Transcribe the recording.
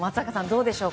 どうでしょう